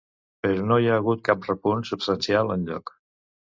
Però no hi ha hagut cap repunt substancial enlloc.